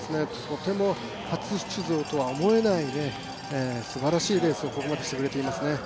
とても初出場とは思えないすばらしいレースをここままでしてくれていますね。